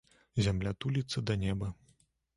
Зямля туліцца да неба.